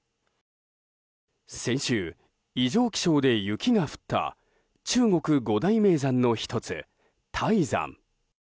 先週、異常気象で雪が降った中国五大名山の１つ、泰山。